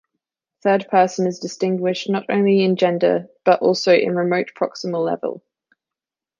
Third person is distinguished not only in gender but also in remote-proximal level.